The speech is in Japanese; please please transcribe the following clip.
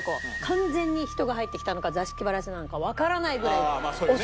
完全に人が入ってきたのか座敷わらしなのかわからないぐらい恐ろしい体験。